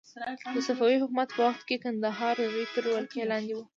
د صفوي حکومت په وخت کې کندهار د دوی تر ولکې لاندې و.